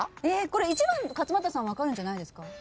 １番勝俣さん分かるんじゃないですか？